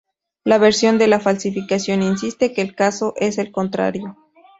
La versión de la falsificación insiste que el caso es el contrario.